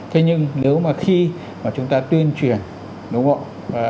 thế nhưng nếu mà khi mà chúng ta tuyên truyền đúng không